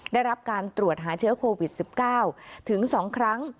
ได้รับการตรวจหาเชื้อโควิด๑๙ถึง๒ครั้ง